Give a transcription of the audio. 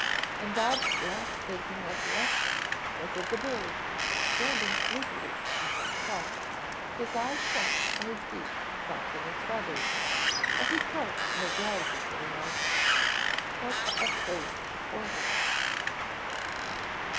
And Bob's last waking recollection was of the bird, standing sleepily on one claw, his eyes shut and his beak sunk in his feathers, while he croaked in a drowsy little note, "What a place for worms."